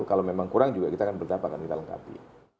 kalau memang kurang juga kita akan berdapat akan kita lengkapi